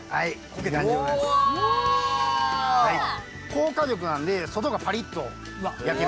高火力なんで外がパリッと焼けますね。